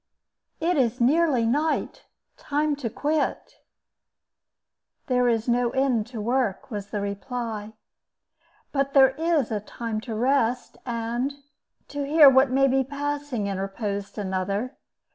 "It is nearly night—time to quit." "There is no end to work," was the reply. "But there is a time to rest, and—" "To hear what may be passing," interposed another.